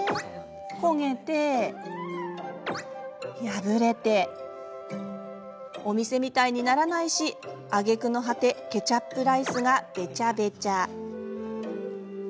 焦げて破れてお店みたいにならないしあげくの果てケチャップライスがベチャベチャ。